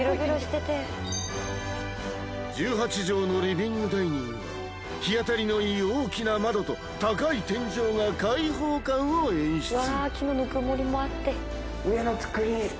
１８畳のリビングダイニングは日当たりのいい大きな窓と高い天井が開放感を演出